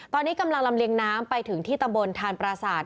ตอนนี้กำลังลำเลียงน้ำไปถึงที่ตำบลทานปราศาสต